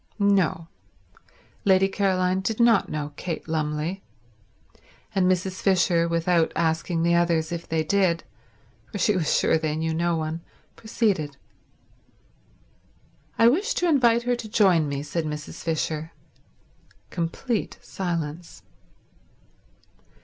No, Lady Caroline did not know Kate Lumley; and Mrs. Fisher, without asking the others if they did, for she was sure they knew no one, proceeded. "I wish to invite her to join me," said Mrs. Fisher. Complete silence.